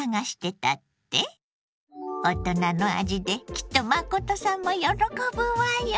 大人の味できっと真さんも喜ぶわよ。